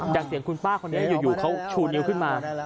จากเสียงคุณป้าคนนี้อยู่เขาชูนิ้วขึ้นมา